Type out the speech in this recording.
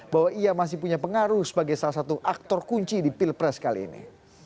bahwa ia masih punya pengaruh sebagai salah satu aktor kunci di pilpres kali ini